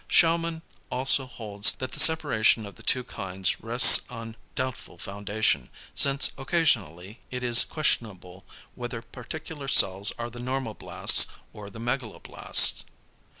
Schaumann also holds that the separation of the two kinds rests on doubtful foundation, since occasionally it is questionable whether particular cells are the normoblasts or the megaloblasts.